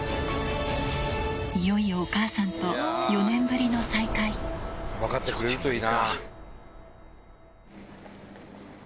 いよいよお母さんと４年ぶり分かってくれるといいな。